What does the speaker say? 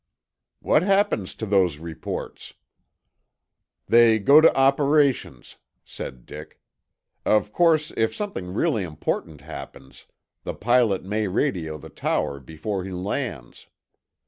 "What happens to those reports?" "They go to Operations," said Dick. "Of course, if something really important happens, the pilot may radio the tower before he lands.